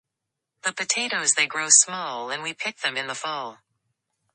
The potatoes they grow small and we pick them in the fall.